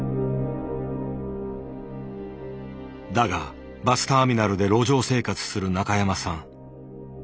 だがバスターミナルで路上生活する中山さん。